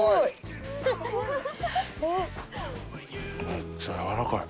めっちゃやわらかい。